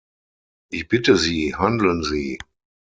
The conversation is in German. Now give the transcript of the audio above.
Ich bitte Sie, handeln Sie!